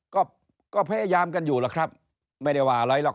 ก็ก็พยายามกันอยู่แล้วครับไม่ได้ว่าอะไรหรอก